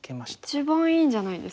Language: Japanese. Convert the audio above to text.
一番いいんじゃないですか。